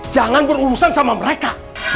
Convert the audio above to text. jangan berurusan sama mereka